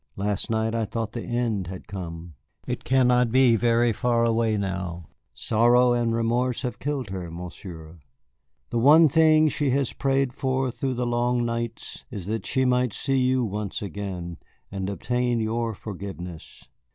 Last night I thought the end had come. It cannot be very far away now. Sorrow and remorse have killed her, Monsieur. The one thing that she has prayed for through the long nights is that she might see you once again and obtain your forgiveness.